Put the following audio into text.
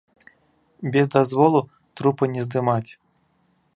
Без дазволу трупа не здымаць.